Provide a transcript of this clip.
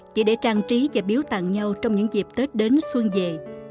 chỉ để trang trí và biếu tặng nhau trong những dịp tết đến xuân về